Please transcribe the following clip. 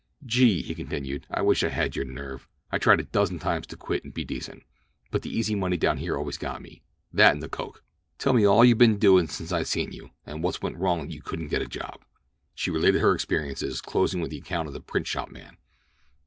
"Gee!" he continued, "I wish I had your nerve. I tried a dozen times to quit and be decent. But the easy money down here always got me—that and the coke. Tell me all you been doin' since I seen you, and what's went wrong that you couldn't get a job." She related her experiences; closing with an account of the print shop man.